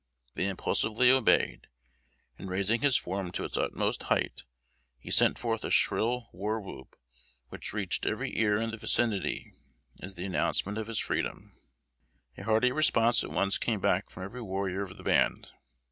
They impulsively obeyed; and raising his form to its utmost height he sent forth a shrill war whoop, which reached every ear in the vicinity, as the announcement of his freedom. A hearty response at once came back from every warrior of the band.